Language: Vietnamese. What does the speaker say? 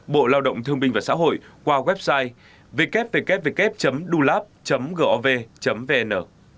bộ lao động thương minh và xã hội qua website www dulap gov vn